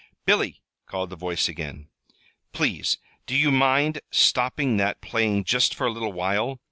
"Billy!" called the voice again. "Please, do you mind stopping that playing just for a little while?